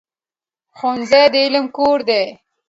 ښوونځی د علم کور دی.